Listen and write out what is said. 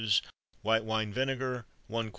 White wine vinegar 1 qt.